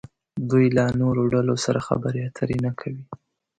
دوی له نورو ډلو سره خبرې اترې نه کوي.